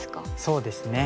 そうですね。